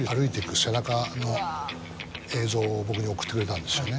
の映像を僕に送ってくれたんですよね。